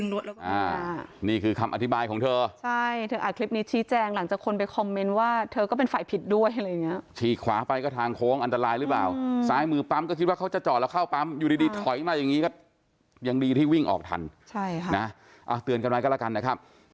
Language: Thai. เราก็ดึงนรถพยายามดึงรถ